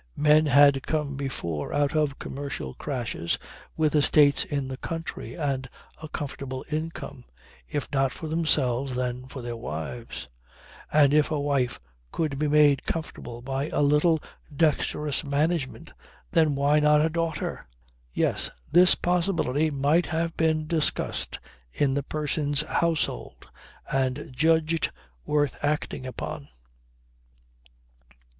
Men had come before out of commercial crashes with estates in the country and a comfortable income, if not for themselves then for their wives. And if a wife could be made comfortable by a little dexterous management then why not a daughter? Yes. This possibility might have been discussed in the person's household and judged worth acting upon.